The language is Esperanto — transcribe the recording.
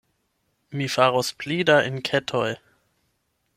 Mi faros pli da enketoj.